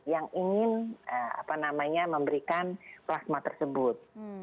yang ingin memberikan plasma tersebut